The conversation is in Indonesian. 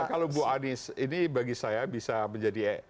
kalau ibu ani ini bagi saya bisa menjadi